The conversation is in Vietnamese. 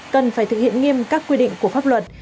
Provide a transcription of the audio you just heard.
cần phải thực hiện nghiêm các quy định của pháp luật